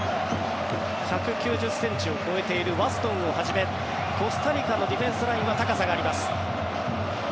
１９０ｃｍを超えているワストンをはじめコスタリカのディフェンスラインは高さがあります。